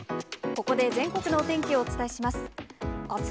ここで全国のお天気をお伝えします。